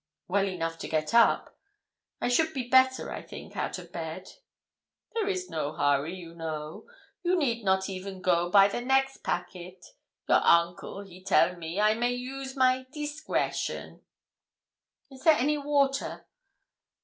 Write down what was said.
'Well enough to get up; I should be better, I think, out of bed.' 'There is no hurry, you know; you need not even go by the next packet. Your uncle, he tell me, I may use my discretion.' 'Is there any water?'